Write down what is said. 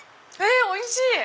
えおいしい！